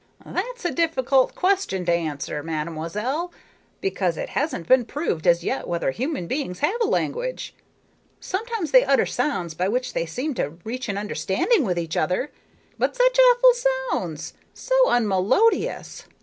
"That's a difficult question to answer, mademoiselle, because it hasn't been proved as yet whether human beings have a language. Sometimes they utter sounds by which they seem to reach an understanding with each other but such awful sounds! So unmelodious!